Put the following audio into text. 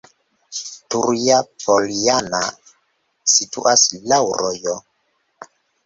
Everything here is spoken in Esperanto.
Turja-Poljana situas laŭ rojo.